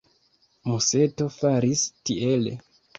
Museto faris tiele.